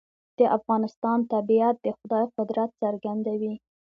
د افغانستان طبیعت د خدای قدرت څرګندوي.